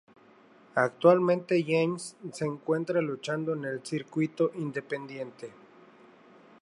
Actualmente James se encuentra luchando en el circuito independiente.